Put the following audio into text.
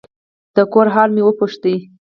د کور حال مې وپوښت.